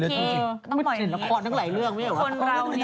ส่วนที่ไปงานโอเคต้องหมดอย่างนี้